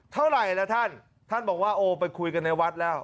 เท่าไหร่ล่ะท่านท่านบอกว่าโอ้ไปคุยกันในวัดแล้ว